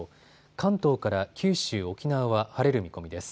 関東から九州、沖縄は晴れる見込みです。